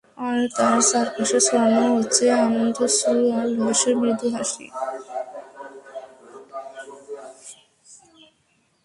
আর তাঁর চার পাশে ছড়ানো হচ্ছে আনন্দাশ্রু আর উল্লাসের মৃদু হাসি।